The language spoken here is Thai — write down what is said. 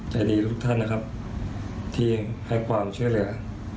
แต่ดีทุกท่านนะครับที่ให้ความช่วยเหลือ